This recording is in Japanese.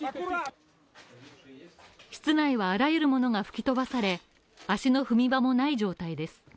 室内はあらゆるものが吹き飛ばされ足の踏み場もない状態です。